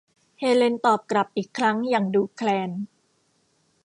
เฮเลนตอบกลับอีกครั้งอย่างดูแคลน